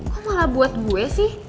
kok malah buat gue sih